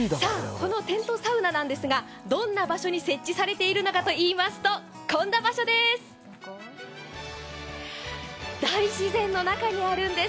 このテントサウナなんですがどんな場所に設置されているのかといいますと、大自然の中にあるんです。